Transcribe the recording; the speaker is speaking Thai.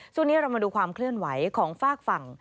ช่วงนี้เรามาดูความเคลื่อนไหวของฝากฝั่ง